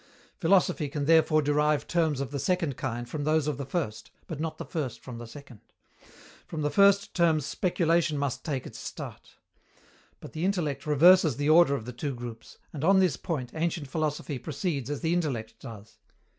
Philosophy can therefore derive terms of the second kind from those of the first, but not the first from the second: from the first terms speculation must take its start. But the intellect reverses the order of the two groups; and, on this point, ancient philosophy proceeds as the intellect does.